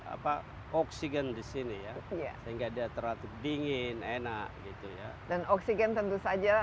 apa oksigen di sini ya sehingga dia teratur dingin enak gitu ya dan oksigen tentu saja